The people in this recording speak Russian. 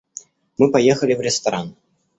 Мы поехали в ресторан.